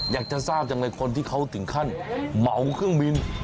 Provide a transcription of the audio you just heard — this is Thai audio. อยากจะทราบจังเลยคนที่เขาถึงขั้นเหมาเครื่องบิน